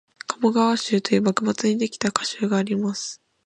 「鴨川集」という幕末にできた歌集があります